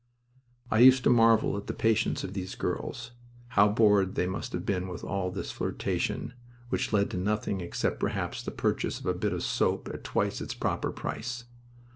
I used to marvel at the patience of these girls. How bored they must have been with all this flirtation, which led to nothing except, perhaps, the purchase of a bit of soap at twice its proper price!